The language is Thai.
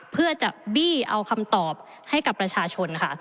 เพื่อจะบี้เอาคำตอบให้กับประชาชนค่ะ